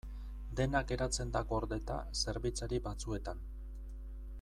Dena geratzen da gordeta zerbitzari batzuetan.